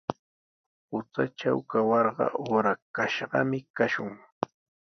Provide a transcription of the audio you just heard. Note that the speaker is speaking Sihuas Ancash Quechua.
Hutratraw kawarqa uqrakashqami kashun.